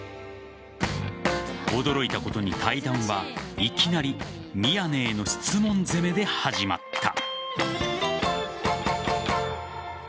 驚いたことに対談は、いきなり宮根への質問攻めで始まった。